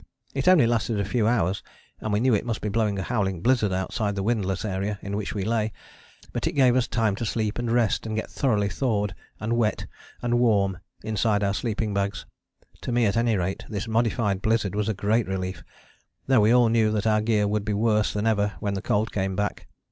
It only lasted a few hours, and we knew it must be blowing a howling blizzard outside the windless area in which we lay, but it gave us time to sleep and rest, and get thoroughly thawed, and wet, and warm, inside our sleeping bags. To me at any rate this modified blizzard was a great relief, though we all knew that our gear would be worse than ever when the cold came back.